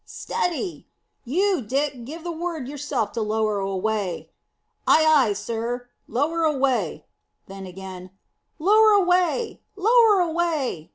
Steady! You, Dick, give the word yourself to lower away." "Ay, ay, sir; lower away." Then again, "Lower away! Lower away!"